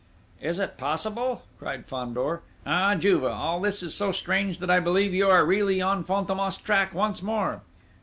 "Is it possible!" cried Fandor. "Ah, Juve, all this is so strange that I believe you are really on Fantômas' track, once more!"